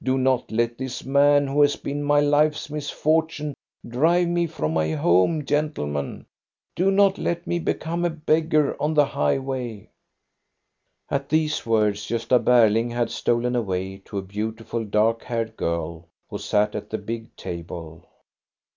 Do not let this man, who has been my life's misfortune, drive me from my home, gentlemen! Do not let me become a beggar on the highway !" At these words Gosta Berling had stolen away to a beautiful dark haired girl who sat at the big table.